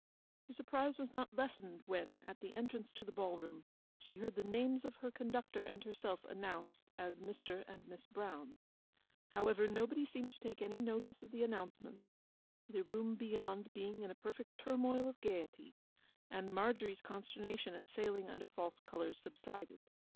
Her surprise was not lessened when, at the entrance to the ballroom, she heard the names of her conductor and herself announced as 'Mr. and Miss Brown.' However, nobody seemed to take any notice of the announcement, the room beyond being in a perfect turmoil of gaiety, and Margery's consternation at sailing under false colours subsided.